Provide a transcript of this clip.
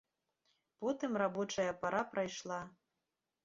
Потым рабочая пара прайшла.